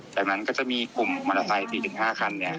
ดังนั้นก็จะมีกลุ่มมอาศัย๓๕คัน